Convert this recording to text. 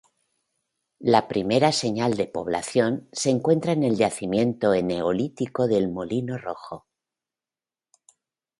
La primera señal de población se encuentra en el yacimiento eneolítico del "Molino Rojo".